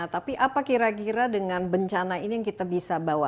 tapi apa kira kira dengan bencana ini yang kita bisa bawa